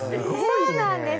そうなんです。